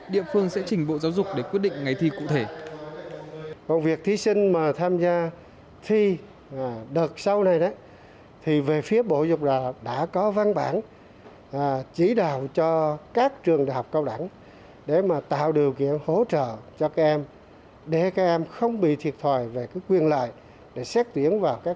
địa phương sẽ chỉnh bộ giáo dục để quyết định ngày thi cụ thể